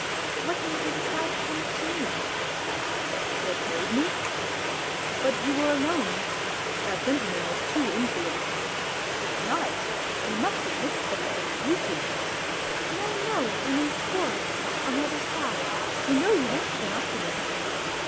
What made you decide to come up to me ?"" What made me ?... But you were alone ; that gentle man was too insolent ; it's night. You must admit that it was a duty. ..."" No, no ; I mean before, on the other side you know you meant to come up to me."